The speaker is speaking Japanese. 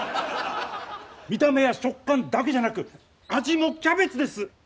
見た目や食感だけじゃなく味もキャベツです。